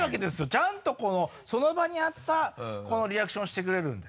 ちゃんとこのその場に合ったこのリアクションしてくれるんで。